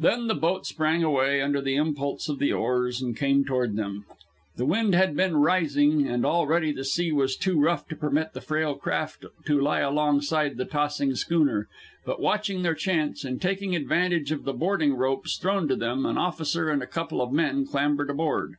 Then the boat sprang away under the impulse of the oars, and came toward them. The wind had been rising, and already the sea was too rough to permit the frail craft to lie alongside the tossing schooner; but watching their chance, and taking advantage of the boarding ropes thrown to them, an officer and a couple of men clambered aboard.